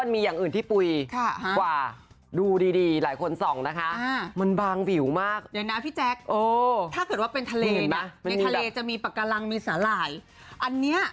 มีหอยแม่นมีสาหร่ายมีปากกะลังไม่ได้